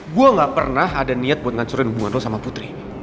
gue gak pernah ada niat buat ngancurin hubungan lo sama putri